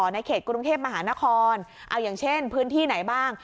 ในเขตกรุงเทพมหานครเอาอย่างเช่นพื้นที่ไหนบ้าง